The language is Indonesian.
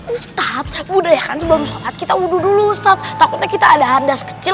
ustadz budaya kan sebelum sholat kita wudhu dulu ustadz takutnya kita ada kandas kecil